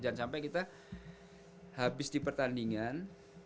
jangan sampai kita habis di pertandingan